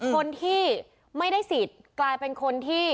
คนที่ไม่ได้สิทธิ์กลายเป็นคนที่